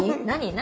何？